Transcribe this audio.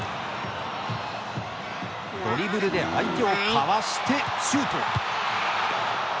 ドリブルで相手をかわしてシュート。